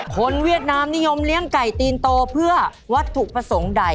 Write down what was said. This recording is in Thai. เวียดนามนิยมเลี้ยงไก่ตีนโตเพื่อวัตถุประสงค์ใด